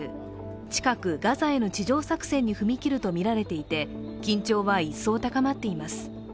近くガザへの地上作戦に踏み切るとみられていて緊張は一層、高まっています。